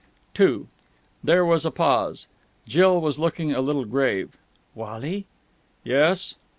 II There was a pause. Jill was looking a little grave. "Wally!" "Yes?"